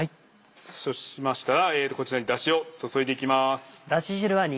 そうしましたらこちらにだしを注いでいきます。